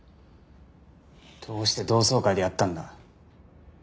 どうして同窓会でやったんだ？